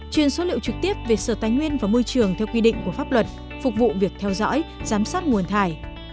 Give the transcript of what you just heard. truyền số liệu trực tiếp về sở tài nguyên và môi trường theo quy định của pháp luật phục vụ việc theo dõi giám sát nguồn thải